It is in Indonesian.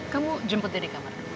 kamu jemput dia di kamar